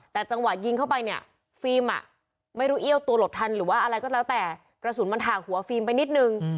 แต่จังหวะยิงเข้าไปเนี่ยฟิล์มอ่ะไม่รู้เอี้ยวตัวหลบทันหรือว่าอะไรก็แล้วแต่กระสุนมันถ่าหัวฟิล์มไปนิดนึง